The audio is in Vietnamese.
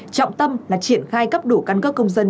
trọng tâm là triển khai cấp đủ căn cước công dân